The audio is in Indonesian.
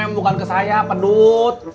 bukan ke saya pedut